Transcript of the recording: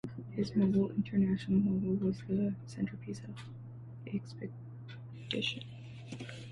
His mobile, "International Mobile" was the centerpiece of the exhibition.